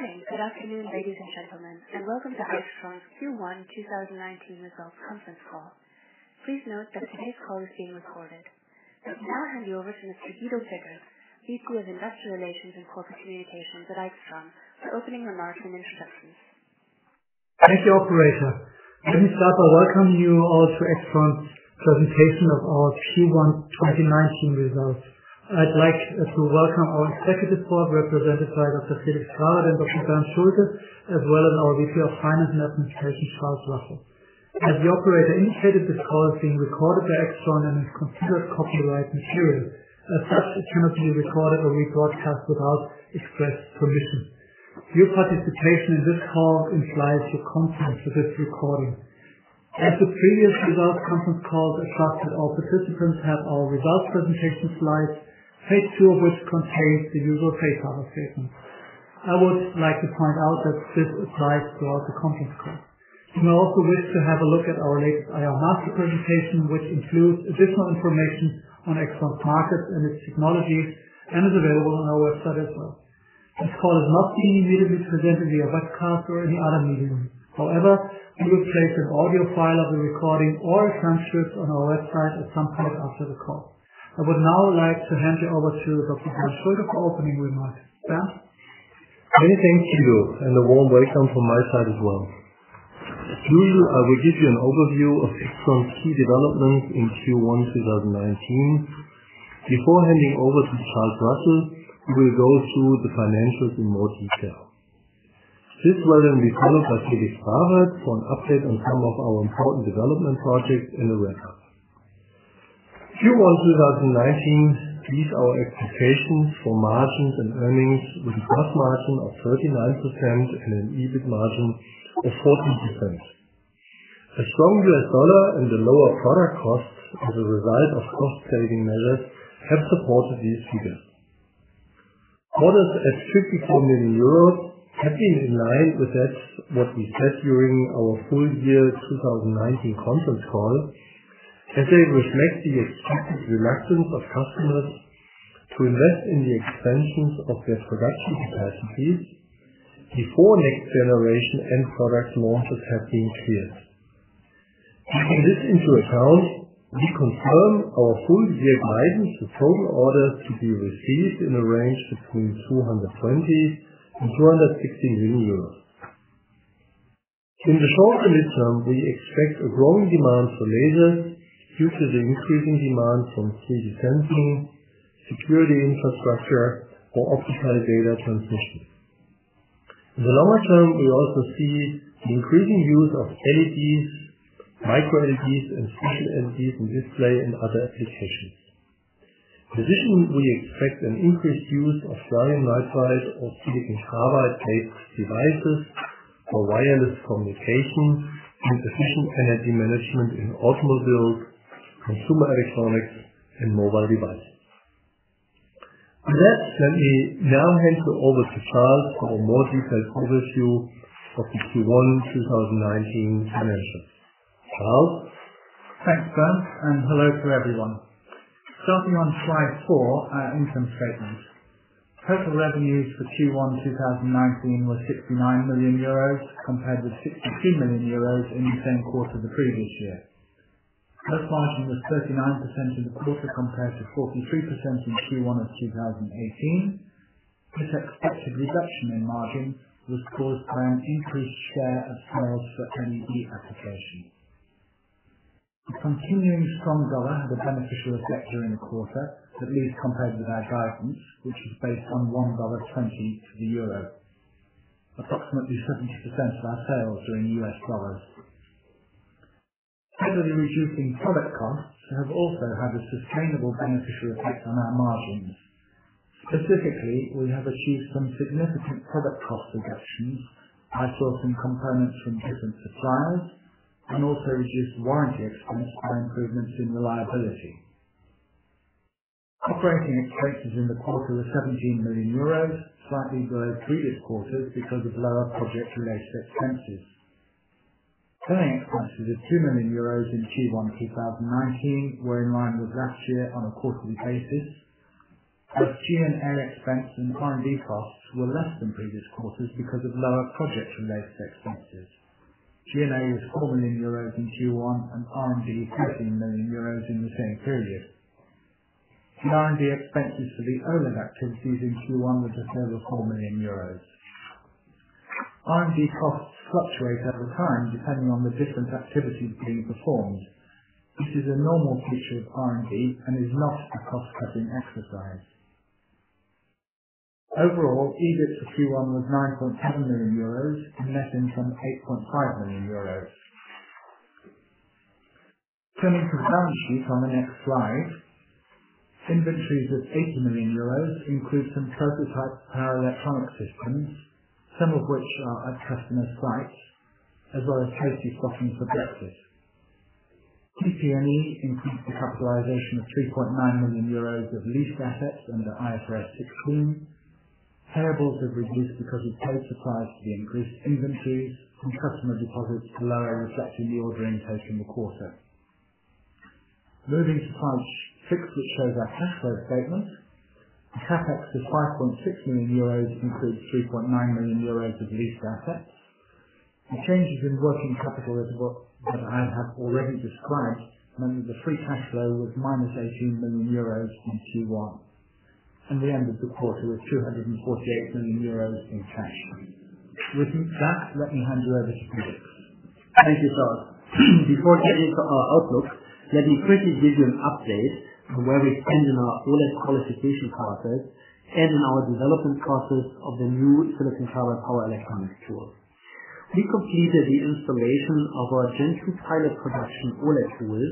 Morning. Good afternoon, ladies and gentlemen, and welcome to AIXTRON's Q1 2019 Results Conference Call. Please note that today's call is being recorded. I'll now hand you over to Mr. Guido Pickert, VP of Investor Relations and Corporate Communications at AIXTRON, for opening remarks and introductions. Thank you, operator. Let me start by welcoming you all to AIXTRON's presentation of our Q1 2019 results. I'd like to welcome our executive board, represented by Dr. Felix Grawert and Dr. Bernd Schulte, as well as our VP of Finance and Administration, Charles Russell. As the operator indicated, this call is being recorded by AIXTRON and is considered copyright material. It cannot be recorded or rebroadcast without express permission. Your participation in this call implies your consent to this recording. As with previous results conference calls, I trust that all participants have our results presentation slides, page two of which contains the usual safe harbor statement. I would like to point out that this applies throughout the conference call. You may also wish to have a look at our latest IR master presentation, which includes additional information on AIXTRON's market and its technology, and is available on our website as well. This call is not being immediately presented via webcast or any other medium. However, we will place an audio file of the recording or a transcript on our website at some point after the call. I would now like to hand you over to Dr. Bernd Schulte for opening remarks. Bernd? Many thanks, Guido, and a warm welcome from my side as well. As usual, I will give you an overview of AIXTRON's key developments in Q1 2019 before handing over to Charles Russell, who will go through the financials in more detail. This will then be followed by Felix Grawert for an update on some of our important development projects in the record. Q1 2019 beats our expectations for margins and earnings, with a gross margin of 39% and an EBIT margin of 14%. A stronger dollar and the lower product costs as a result of cost-saving measures have supported these figures. Orders, as typically in Europe, have been in line with what we said during our full year 2019 conference call, as it reflects the expected reluctance of customers to invest in the expansions of their production capacities before next generation end product launches have been cleared. Taking this into account, we confirm our full-year guidance for total orders to be received in a range between 220 million euros and EUR 260 million. In the shorter-term, we expect a growing demand for laser due to the increasing demand from 3D sensing, security infrastructure, or optical data transmission. In the longer term, we also see the increasing use of LEDs, micro-LEDs, and special LEDs in display and other applications. In addition, we expect an increased use of gallium nitride or silicon carbide-based devices for wireless communication and efficient energy management in automobiles, consumer electronics, and mobile devices. With that said, let me now hand you over to Charles for a more detailed overview of the Q1 2019 financials. Charles? Thanks, Bernd, hello to everyone. Starting on slide four, our income statement. Total revenues for Q1 2019 were 69 million euros, compared with 63 million euros in the same quarter the previous year. Gross margin was 39% in the quarter, compared to 43% in Q1 of 2018. This expected reduction in margin was caused by an increased share of sales for LED applications. A continuing strong dollar was a beneficial effect during the quarter, at least compared with our guidance, which was based on $1.20 to the EUR. Approximately 70% of our sales are in US dollars. Furtherly, reducing product costs have also had a sustainable beneficial effect on our margins. Specifically, we have achieved some significant product cost reductions by sourcing components from different suppliers and also reduced warranty expense by improvements in reliability. Operating expenses in the quarter were 17 million euros, slightly below previous quarters because of lower project-related expenses. Selling expenses of 2 million euros in Q1 2019 were in line with last year on a quarterly basis, as G&A expense and R&D costs were less than previous quarters because of lower project-related expenses. G&A was 4 million euros in Q1 and R&D 13 million euros in the same period. The R&D expenses for the OLED activities in Q1 were just over 4 million euros. R&D costs fluctuate over time depending on the different activities being performed. This is a normal feature of R&D and is not a cost-cutting exercise. Overall, EBIT for Q1 was 9.7 million euros and net income 8.5 million euros. Turning to the balance sheet on the next slide. Inventories of 80 million euros include some prototype power electronic systems, some of which are at customer sites, as well as healthy stockings for debtors. PP&E increased the capitalization of 3.9 million euros of leased assets under IFRS 16. Payables have reduced because we paid suppliers for the increased inventory and customer deposits were lower, reflecting the ordering pace in the quarter. Moving to slide six, which shows our cash flow statement. The CapEx is 5.6 million euros, includes 3.9 million euros of leased assets. The changes in working capital is what I have already described, then the free cash flow was minus 18 million euros in Q1. We ended the quarter with 248 million euros in cash. With that, let me hand you over to Felix. Thank you, Charles. Before getting to our outlook, let me quickly give you an update on where we stand in our OLED qualification process and in our development process of the new silicon carbide power electronics tool. We completed the installation of our Gen2 pilot production OLED tool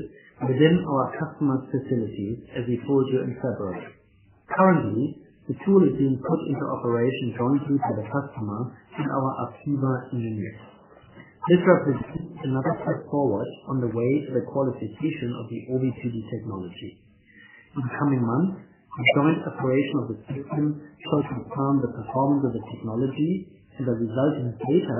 within our customer's facilities, as we told you in February. Currently, the tool is being put into operation jointly by the customer and our AIXTRON engineers. This represents another step forward on the way to the qualification of the OVPD technology. In the coming months, the joint operation of the system shall confirm the performance of the technology, and the resulting data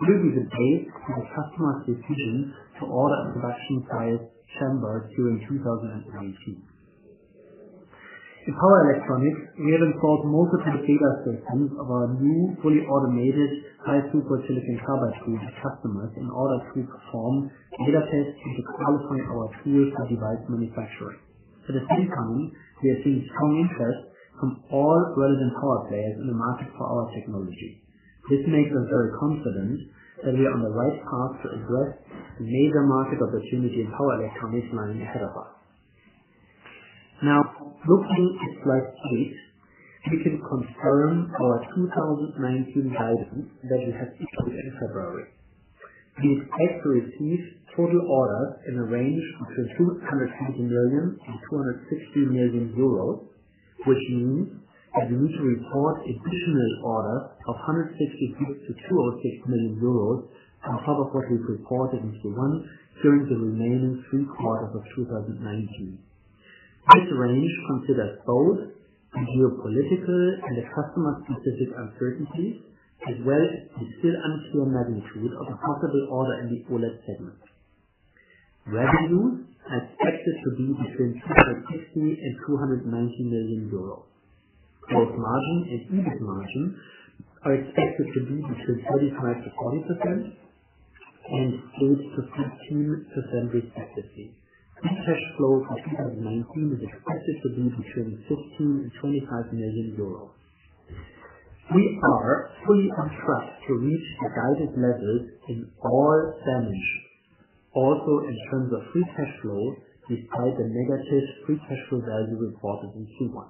will be the base for the customer's decision to order a production-sized chamber during 2019. In power electronics, we have installed multiple beta systems of our new fully automated High Q+ silicon carbide tool to customers in order to perform beta tests and to qualify our tools as a device manufacturer. At the same time, we are seeing strong interest from all relevant power players in the market for our technology. This makes us very confident that we are on the right path to address the major market opportunity in power electronics lying ahead of us. Now, looking at slide eight, we can confirm our 2019 guidance that we have issued in February. We expect to receive total orders in the range between 220 million and 260 million euros, which means that we need to report additional orders of 166 million-260 million euros on top of what we've reported in Q1 during the remaining three quarters of 2019. This range considers both the geopolitical and the customer-specific uncertainties, as well as the still unclear magnitude of a possible order in the OLED segment. Revenue are expected to be between 260 million and 290 million euros. Gross margin and EBIT margin are expected to be between 35%-40% and 8%-15% respectively. Free cash flow for 2019 is expected to be between 15 million and 25 million euros. We are fully on track to reach the guided levels in all dimensions, also in terms of free cash flow, despite the negative free cash flow value reported in Q1.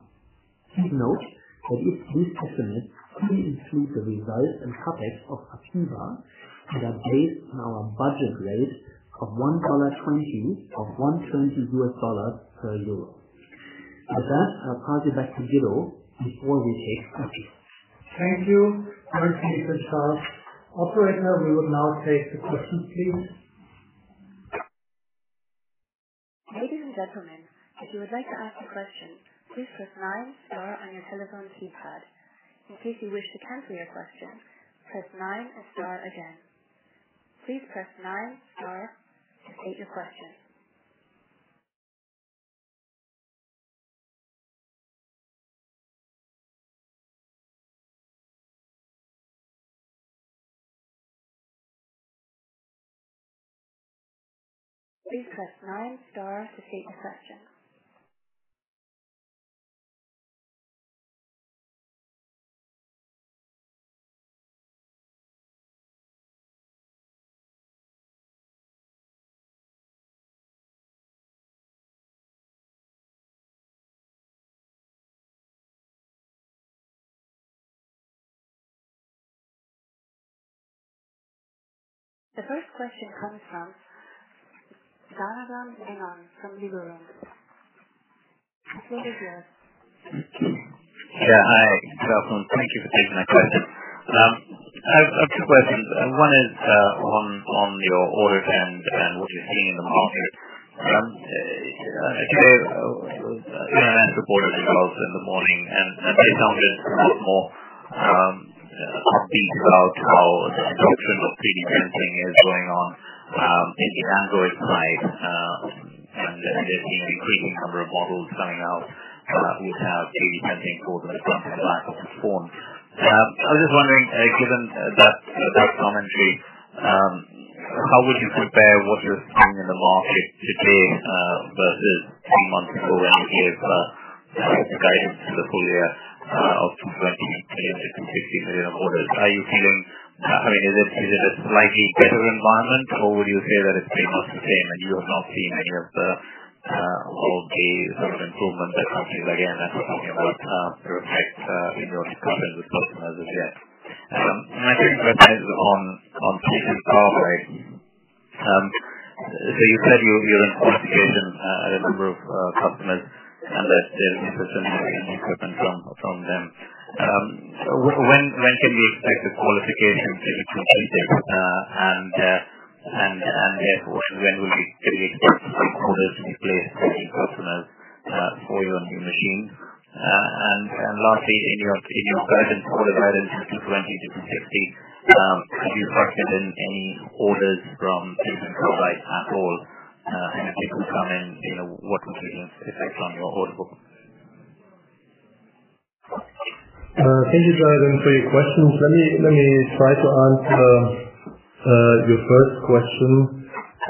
Please note that these estimates fully include the results and CapEx of AIXTRON, and are based on our budget rate of $1.20 or $1.20 per EUR. With that, I'll pass you back to Guido before we take questions. Thank you. Thank you, Charles. Operator, we will now take the questions, please. Ladies and gentlemen, if you would like to ask a question, please press nine, star on your telephone keypad. In case you wish to cancel your question, press nine and star again. Please press nine, star to state your question. Please press nine, star to state your question. The first question comes from Jonathan Mignon from Liberum. Your line is clear. Yeah. Hi, gentlemen. Thank you for taking my question. I have two questions. One is on your order trends and what you're seeing in the market. I saw your results in the morning, and they sounded a lot more upbeat about how the adoption of 3D sensing is going on in the Android side, and there seems to be an increasing number of models coming out which have 3D sensing for the front and back of the phone. I'm just wondering, given that commentary, how would you compare what you're seeing in the market today versus three months ago, when you gave the guidance for the full year of EUR 220 million to EUR 260 million orders? Are you feeling I mean, is it a slightly better environment, or would you say that it's pretty much the same and you have not seen any of the sort of improvements that companies like AMD are talking about reflect in your discussions with customers as yet? My second question is on silicon carbide. You said you're in qualification at a number of customers and that there's interest in buying new equipment from them. When can we expect the qualification to be completed? Therefore, when should we expect orders to be placed by these customers for your new machines? Lastly, in your previous guidance for the revenues of 220 million to 260 million, have you factored in any orders from silicon carbide at all? If they will come in, what impact on your order book? Thank you guys for your questions. Let me try to answer your first question.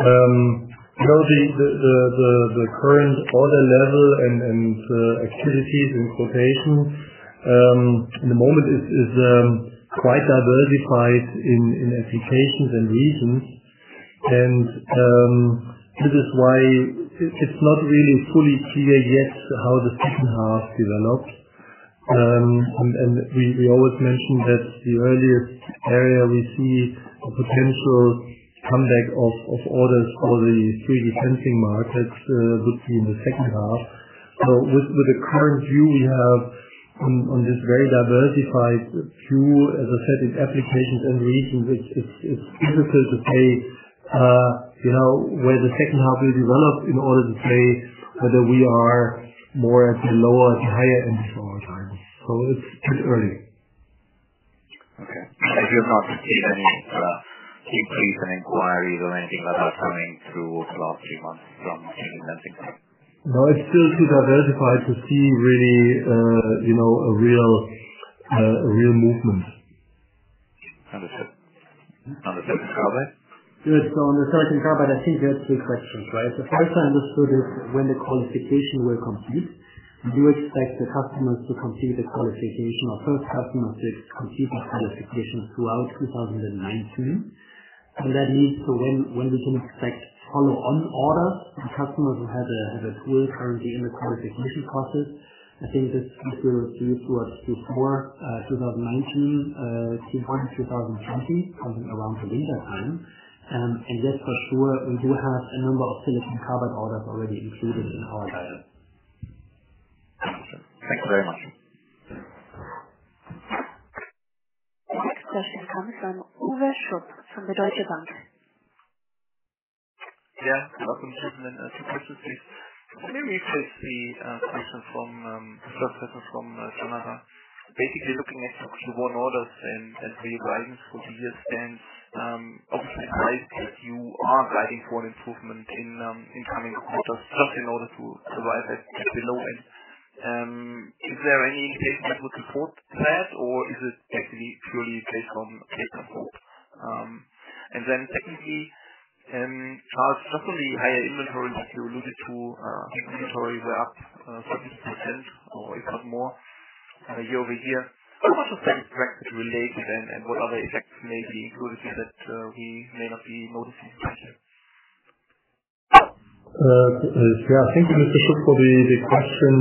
The current order level and activities in quotation, at the moment, is quite diversified in applications and regions. This is why it's not really fully clear yet how the second half developed. We always mention that the earliest area we see a potential comeback of orders for the 3D sensing markets would be in the second half. With the current view we have on this very diversified view, as I said, in applications and regions, it's difficult to say where the second half will develop in order to say whether we are more at the lower or the higher end of our guidance. It's too early. Okay. You've not received any inquiries or anything like that coming through the last few months from anything like that? No, it's still too diversified to see a real movement. Understood. On the silicon carbide? Yes. On the silicon carbide, I think there are two questions, right? The first I understood is when the qualification will complete. We do expect the customers to complete the qualification or first customers to complete that qualification throughout 2019. That means when we can expect follow-on orders from customers who have a tool currently in the qualification process. I think that this will be towards Q4 2019, Q1 2020, coming around the winter time. That's for sure, we do have a number of silicon carbide orders already included in our guidance. Thank you very much. The next question comes from Uwe Schupp from Deutsche Bank. Yeah. Welcome. Two questions, please. Let me rephrase the first question from Tamara. Basically, looking at Q1 orders and your guidance for the year, obviously price, you are guiding for an improvement in coming quarters just in order to survive at EBITDA. Is there any basement with support there or is it actually purely based on hope? Secondly, Charles, just on the higher inventory that you alluded to, inventory were up 30% or if not more, year-over-year. What was the Brexit related and what other effects may be included here that we may not be noticing? Yeah. Thank you, Mr. Schupp, for the question.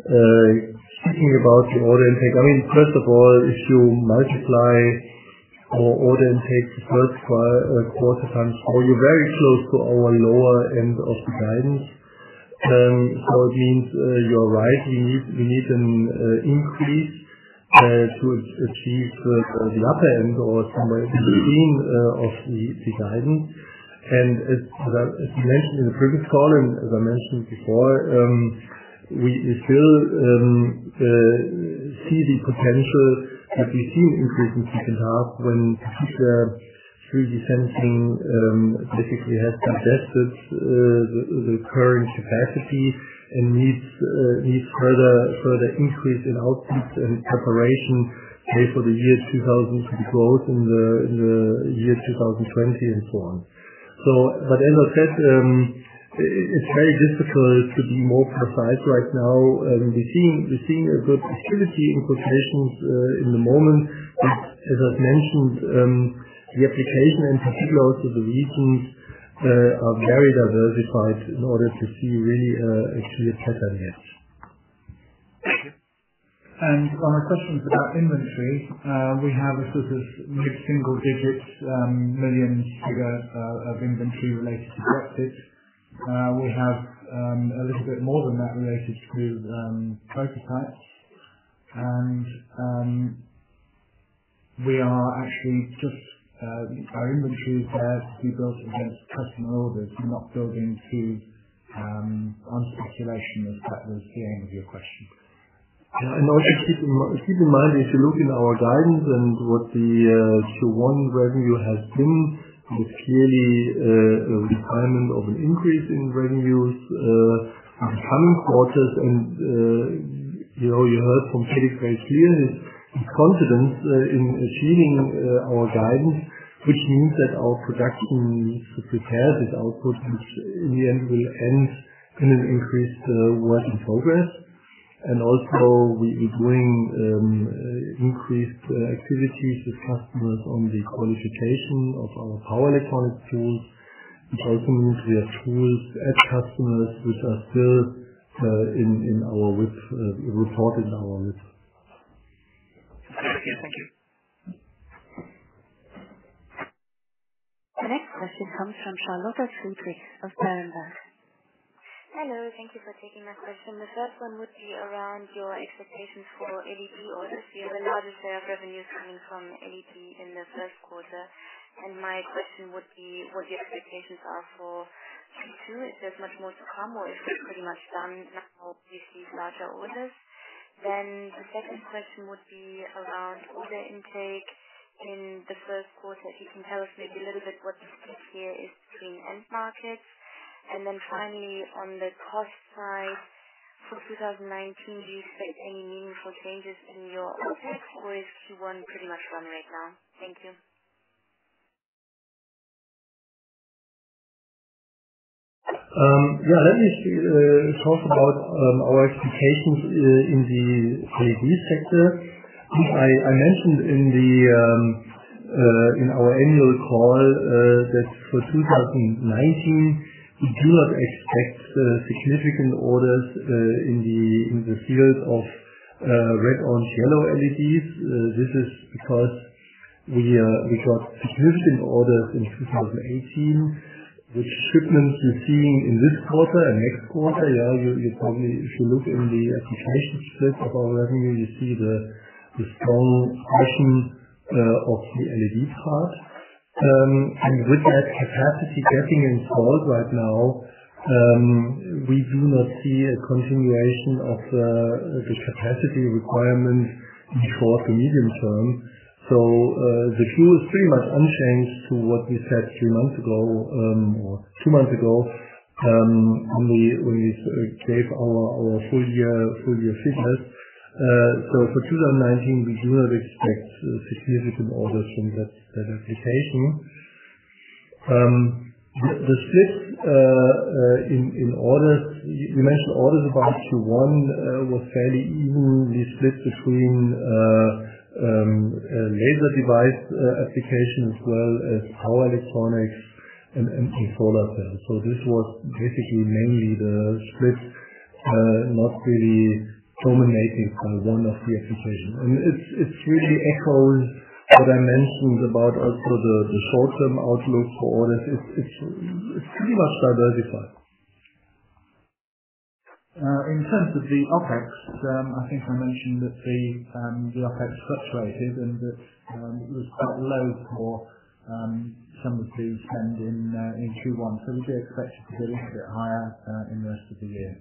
Speaking about the order intake, first of all, if you multiply our order intake first quarter times four, we're very close to our lower end of the guidance. It means, you're right, we need an increase to achieve the upper end or somewhere in between of the guidance. As I mentioned in the previous call and as I mentioned before, we still see the potential that we see an increase in second half when, for instance, 3D sensing basically has congested the current capacity and needs further increase in outputs and preparation, say, for the growth in the year 2020 and so on. As I said, it's very difficult to be more precise right now. We're seeing a good activity in quotations at the moment, as I've mentioned, the application in particular to the regions are very diversified in order to see a clear pattern yet. Thank you. On the questions about inventory, we have a sort of EUR mid-single digits millions figure of inventory related to Brexit. We have a little bit more than that related to prototypes. Our inventory is there to be built against customer orders, not building onto speculation, if that was the aim of your question. Also keep in mind, if you look in our guidance and what the Q1 revenue has been, it's clearly a requirement of an increase in revenues in coming quarters. You heard from Felix very clearly the confidence in achieving our guidance, which means that our production needs to prepare this output, which in the end will end in an increased work in progress. Also we're doing increased activities with customers on the qualification of our power electronics tools, which also means we have tools at customers which are still reported in our list. Yes. Thank you. The next question comes from Laura Sutcliffe of Berenberg. Hello. Thank you for taking my question. The first one would be around your expectations for LED orders. You have a larger share of revenues coming from LED in the first quarter, my question would be what the expectations are for Q2. Is there much more to come, or is it pretty much done now with these larger orders? The second question would be around order intake in the first quarter. If you can tell us maybe a little bit what the split here is between end markets. Finally, on the cost side for 2019, do you expect any meaningful changes in your OPEX, or is Q1 pretty much run rate now? Thank you. Yeah. Let me talk about our expectations in the LED sector, which I mentioned in our annual call, that for 2019, we do not expect significant orders in the field of red, orange, yellow LEDs. This is because we got significant orders in 2018, which shipments we're seeing in this quarter and next quarter. If you look in the application split of our revenue, you see the strong caution of the LED chart. With that capacity getting installed right now, we do not see a continuation of the capacity requirement before the medium term. The view is pretty much unchanged to what we said three months ago, or two months ago, when we gave our full-year figures. For 2019, we do not expect significant orders from that application. The split in orders, you mentioned orders about Q1 was fairly evenly split between laser device applications as well as power electronics and solar cells. This was basically mainly the split, not really dominated by one of the applications. It really echoes what I mentioned about also the short-term outlook for orders. It's pretty much diversified. In terms of the OPEX, I think I mentioned that the OPEX fluctuated and that it was quite low for some of the spend in Q1. We do expect it to be a little bit higher in the rest of the year.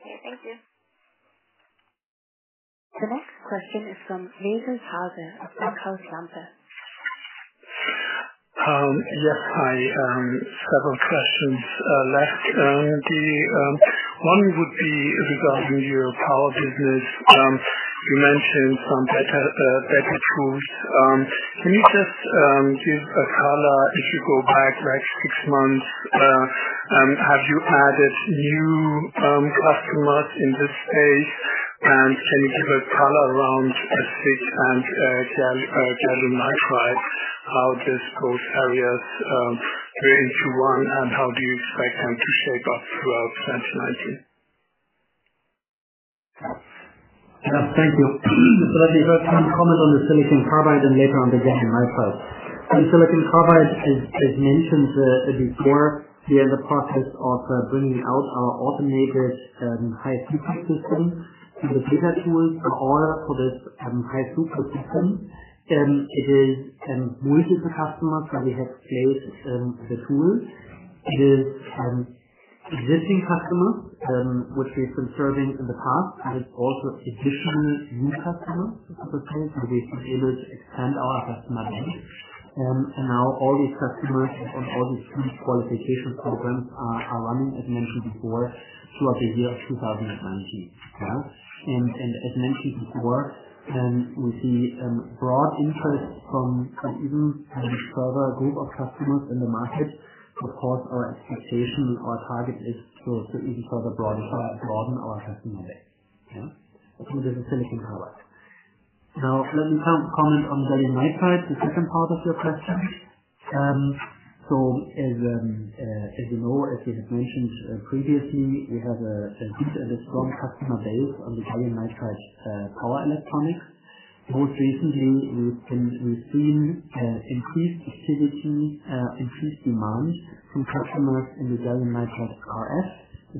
Okay, thank you. The next question is from Jonas Hauser of Bankhaus Lampe. Yes. Hi, several questions left. One would be regarding your power business. You mentioned some better tools. Can you just give a color if you go back six months, have you added new customers in this space? Can you give a color around SiC and gallium nitride, how these both areas fare into one, and how do you expect them to shape up throughout 2019? Thank you. I give a comment on the silicon carbide and later on the gallium nitride. In silicon carbide, as mentioned before, we are in the process of bringing out our automated high throughput system with bigger tools for orders for this high throughput system. It is multiple customers that we have scaled the tools. It is existing customers, which we've been serving in the past, and it's also additionally new customers, so to say. We've been able to extend our customer base. Now all these customers and all these qualification programs are running, as mentioned before, throughout the year 2019. As mentioned before, we see broad interest from an even further group of customers in the market. Of course, our expectation, our target is to even further broaden our customer base. That's on the silicon carbide. Now, let me comment on gallium nitride, the second part of your question. As you know, as we have mentioned previously, we have a good and strong customer base on the gallium nitride power electronics. Most recently, we've seen increased activity, increased demand from customers in the gallium nitride RF,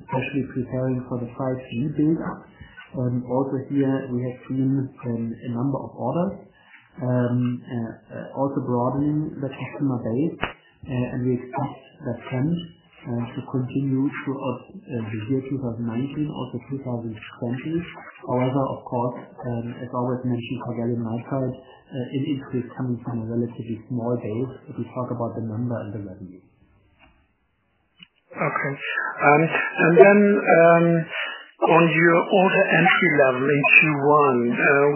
especially preparing for the 5G build-up. Also here, we have seen a number of orders, also broadening the customer base. We expect that trend to continue throughout the year 2019, also 2020. However, of course, as always mentioned, for gallium nitride, it is coming from a relatively small base if we talk about the number and the revenue. Okay. On your order entry level in Q1,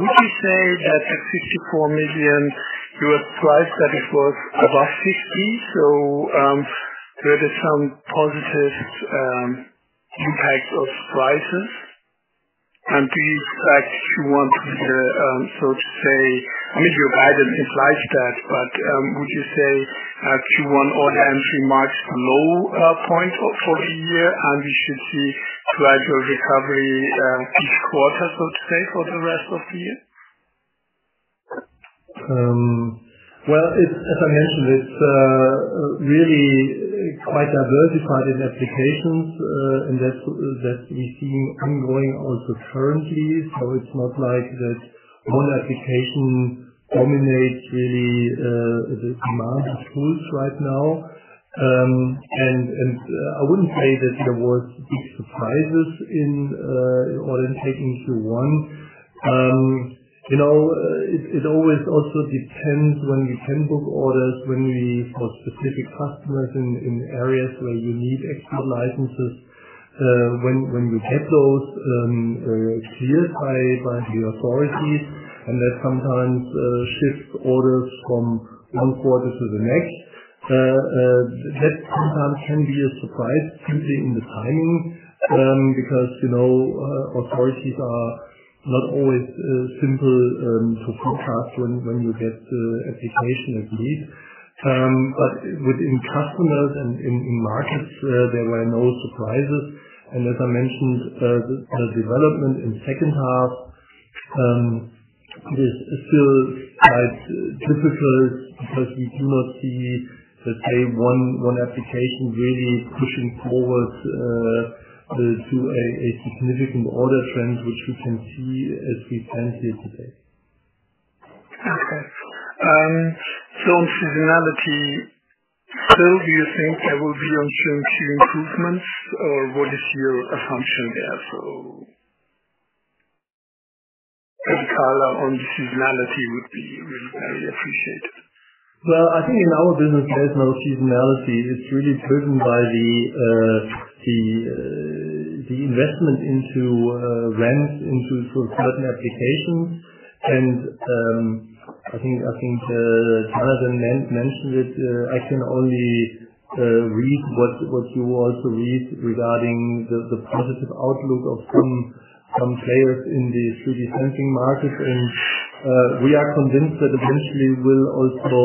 would you say that the EUR 64 million, you were surprised that it was above 60, there is some positive impact of surprises. Do you expect Q1 to be, maybe you guided it like that, would you say Q1 order entry marks a low point for the year, and we should see gradual recovery each quarter, so to say, for the rest of the year? As I mentioned, it's really quite diversified in applications, that we're seeing ongoing also currently. It's not like that one application dominates really the demand pools right now. I wouldn't say that there were big surprises in order taking Q1. It always also depends when we can book orders for specific customers in areas where we need export licenses. When we get those cleared by the authorities, that sometimes shifts orders from one quarter to the next. That sometimes can be a surprise, simply in the timing, because authorities are not always simple to forecast when you get the application, at least. Within customers and in markets, there were no surprises. As I mentioned, the development in the second half is still quite difficult because we do not see, let's say, one application really pushing forward to a significant order trend, which we can see as we stand here today. On seasonality, still do you think there will be on Q2 improvements, or what is your assumption there? Any color on seasonality would be very appreciated. I think in our business there's no seasonality. It's really driven by the investment into rent, into certain applications. I think Jonathan mentioned it. I can only read what you also read regarding the positive outlook of some players in the 3D sensing market. We are convinced that eventually will also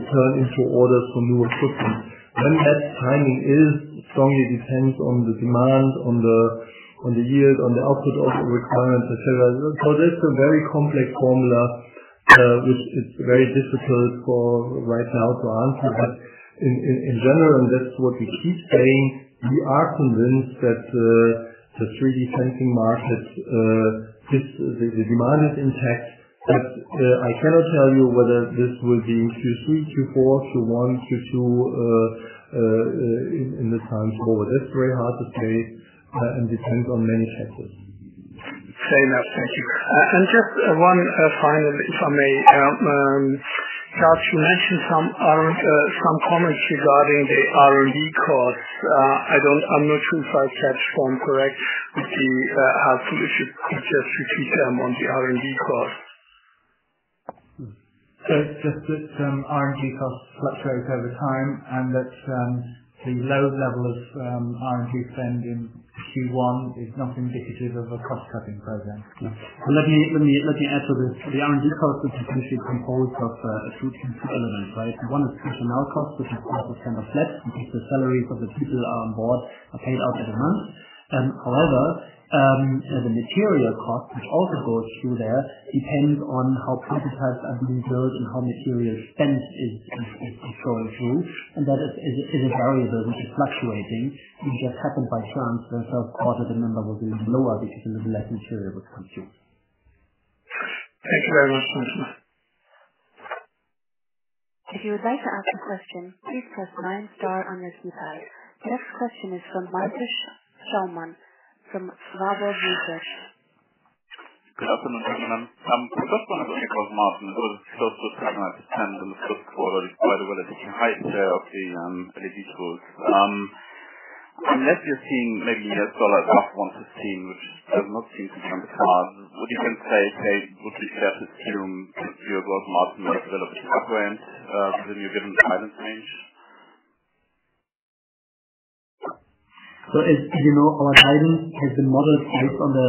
turn into orders for newer systems. When that timing is, strongly depends on the demand, on the yield, on the output of the requirements, et cetera. That's a very complex formula, which is very difficult right now to answer. In general, that's what we keep saying, we are convinced that the 3D sensing market, the demand is intact. I cannot tell you whether this will be Q3, Q4, Q1, Q2, in the time forward. That's very hard to say and depends on many factors. Fair enough. Thank you. Just one final, if I may. Charles, you mentioned some comments regarding the R&D costs. I'm not sure if I catch form correct with the Just that R&D costs fluctuate over time, and that the lower level of R&D spend in Q1 is nothing to do with a cost-cutting program. Let me add to this. The R&D cost is essentially composed of two elements, right? One is personnel costs, which is part of G&A, which is the salary for the people on board are paid out every month. However, the material cost, which also goes through there, depends on how prototypes are being built and how material spent is going through. That is a variable which is fluctuating. It just happened by chance that our quarter number will be lower because a little less material was consumed. Thank you very much. If you would like to ask a question, please press nine star on your keypad. The next question is from Mitesh Chalman from Warburg Research. Good afternoon. The first one I want to ask Martin, first quarter, by the way, the high share of the LED tools. Unless you're seeing maybe a dollar above 115, which I've not seen from the card, would you then say, hey, would we expect to see your gross margin develop, given the guidance range? As you know, our guidance has been modeled based on the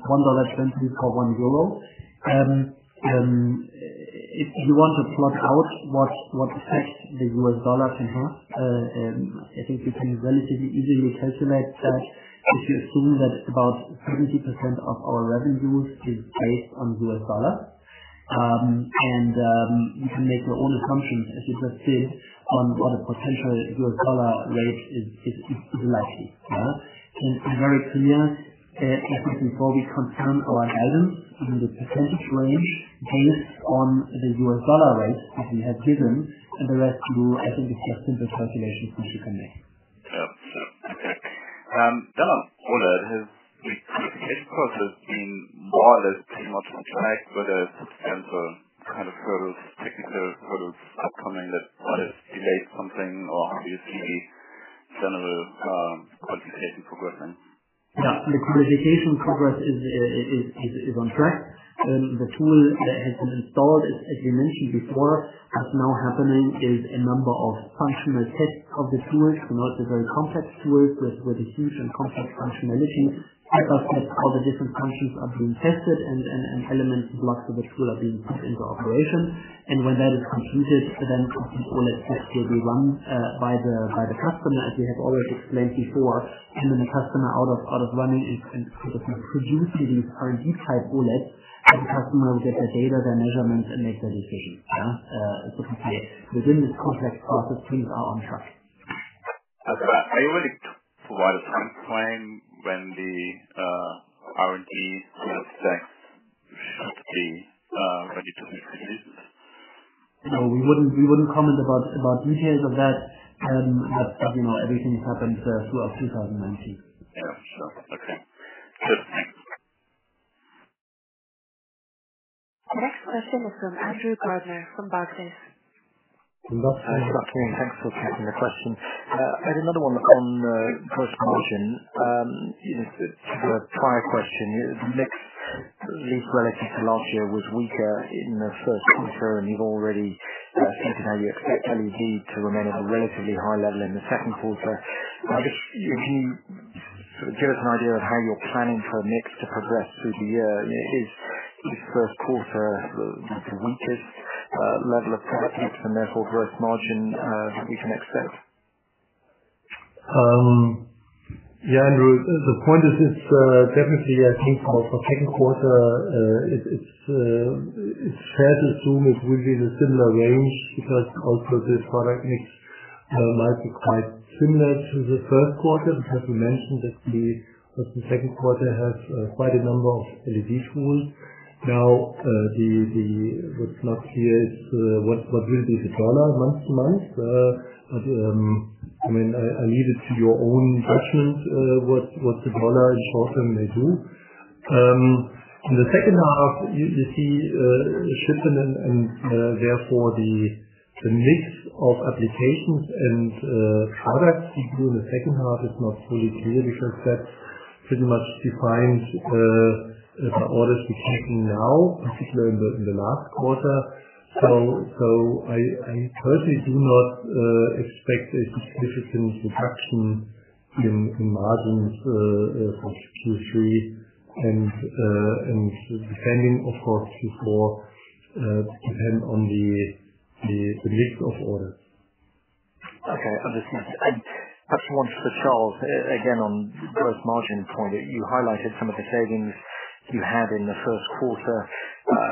$1 to $1. If you want to plot out what effect the U.S. dollar can have, I think we can relatively easily calculate that if you assume that about 70% of our revenues is based on U.S. dollar. You can make your own assumptions as is a bid on what a potential U.S. dollar rate is likely. To be very clear, everything for the concern or item in the percentage range based on the U.S. dollar rate that we have given, and the rest I think it's just simple calculations which you can make. Yeah, sure. Okay. On has the qualification process been more or less pretty much on track, whether it's any kind of technical sort of upcoming that might have delayed something, or how do you see general qualification progressing? Yeah. The qualification progress is on track. The tool that has been installed, as we mentioned before, what's now happening is a number of functional tests of the tools. They're not the very complex tools with the fusion complex functionality. That's how the different functions are being tested and elements and blocks of the tool are being put into operation. When that is completed, then complete bullet tests will be run by the customer, as we have already explained before. Then the customer out of running it and producing these R&D type bullets, every customer will get their data, their measurements, and make their decision. To say, within this complex process, things are on track. Are you able to provide a timeframe when the R&D bullet sets should be ready to be produced? No, we wouldn't comment about details of that. As you know, everything happens throughout 2019. Yeah, sure. Okay. The next question is from Andrew Gardiner from Barclays. Andrew Gardiner. Thanks for taking the question. I had another one on gross margin. To the prior question, mix this relative to last year was weaker in the first quarter, and you've already signaled you expect LED to remain at a relatively high level in the second quarter. I guess, can you give us an idea of how you're planning for mix to progress through the year? Is first quarter the weakest level of product mix and therefore gross margin we can expect? Yeah, Andrew. The point is, definitely, I think for second quarter, it's fair to assume it will be the similar range because also the product mix might be quite similar to the first quarter, because we mentioned that the second quarter has quite a number of LED tools. Now, what's not clear is what will be the EUR month-to-month. I leave it to your own judgment what the EUR in short-term may do. In the second half, you see a shift and therefore the mix of applications and products you do in the second half is not fully clear, because that pretty much defines orders we take now, in particular in the last quarter. I personally do not expect a significant reduction in margins from Q3 and depending, of course, Q4, depend on the mix of orders. Okay. Understood. Perhaps one for Charles. Again, on gross margin point, you highlighted some of the savings you had in the first quarter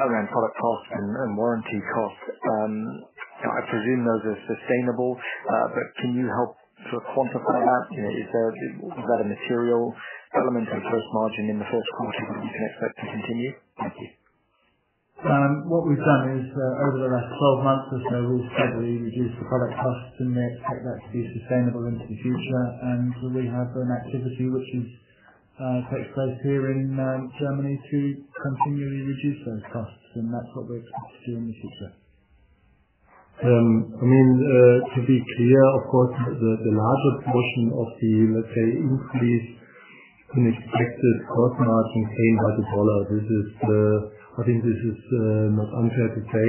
around product costs and warranty costs. I presume those are sustainable. Can you help quantify that? Is that a material element of gross margin in the first quarter that we can expect to continue? Thank you. What we've done is, over the last 12 months, as Noel said, we reduced the product costs, and we expect that to be sustainable into the future. We have an activity which takes place here in Germany to continually reduce those costs, and that's what we're expected to do in the future. To be clear, of course, the larger portion of the, let's say, increase in expected gross margin came by the dollar. I think this is not unfair to say.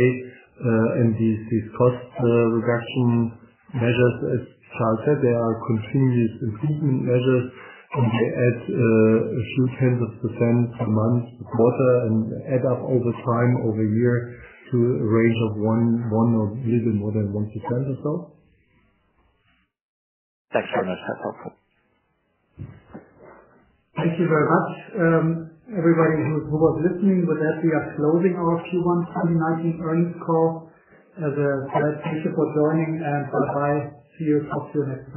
These cost reduction measures, as Charles said, they are continuous improvement measures, and they add a few tenths of % per month, quarter, and add up over time, over year to a range of one or little more than one % or so. Thank you very much. That's helpful. Thank you very much, everybody who was listening. With that, we are closing our Q1 2019 earnings call. Charles, thank you for joining, and goodbye. See you. Talk to you next time